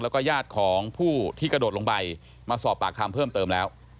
แล้วก็ญาติของผู้ที่กระโดดลงไปมาสอบปากคำเพิ่มเติมแล้ว